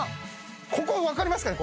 ここ分かりますかね